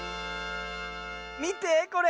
みてこれ。